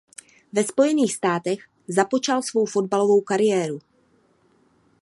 Ve Spojených státech započal svou fotbalovou kariéru.